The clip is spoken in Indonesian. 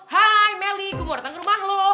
hai meli gue mau dateng ke rumah lo